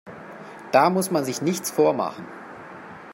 Da muss man sich nichts vormachen.